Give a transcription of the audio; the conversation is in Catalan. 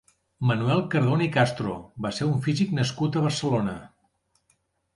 Manuel Cardona i Castro va ser un físic nascut a Barcelona.